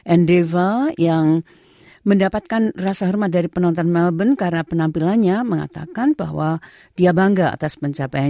andreeva yang mendapatkan penyakit ini